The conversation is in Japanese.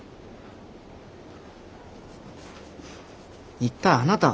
一体あなたは。